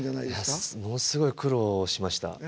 いやものすごい苦労しました。